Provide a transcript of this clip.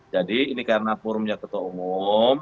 jadi ini karena forumnya ketua umum